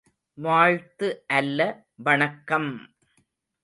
வாழ்த்து அல்ல வணக்கம்!